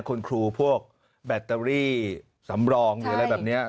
คุณครูพวกแบตเตอรี่สำรองหรืออะไรแบบนี้